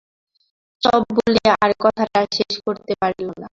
Chop– বলিয়া আর কথাটা শেষ করিতে পারিল না।